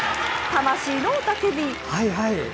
魂の雄たけび。